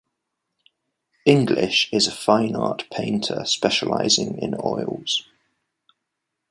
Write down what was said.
English is a fine art painter specializing in oils.